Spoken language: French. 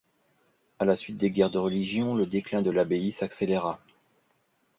À la suite des guerres de religion, le déclin de l'abbaye s'accéléra.